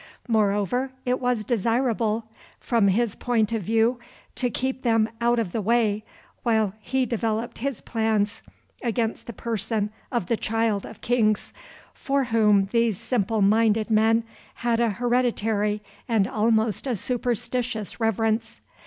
Moreover, it was desirable, from his point of view, to keep them out of the way while he developed his plans against the person of the Child of Kings, for whom these simple minded men had a hereditary and almost a superstitious reverence.